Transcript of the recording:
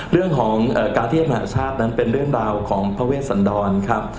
เรื่องของการเทียบมหาชาตินั้นเป็นเรื่องราวของพระเวชสันดรครับ